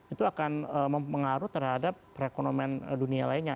itu akan mempengaruh terhadap perekonomian dunia lainnya